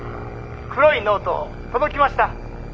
黒いノート届きました？